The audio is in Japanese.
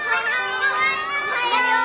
おはよう。